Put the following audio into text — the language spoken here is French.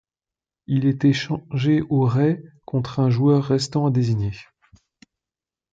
Il est échangé aux Rays contre à un joueur restant à désigner.